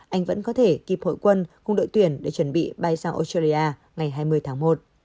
anh vẫn có thể kịp hội quân cùng đội tuyển để chuẩn bị bay sang australia ngày hai mươi tháng một